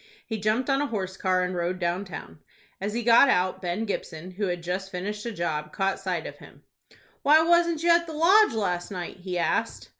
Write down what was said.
He jumped on a horse car, and rode down town. As he got out, Ben Gibson, who had just finished a job, caught sight of him. "Why wasn't you at the Lodge last night?" he asked.